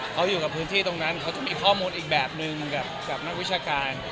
เขาอยู่กับพื้นที่ตรงนั้นเขาจะมีข้อมูลอีกแบบนึงกับนักวิชาการ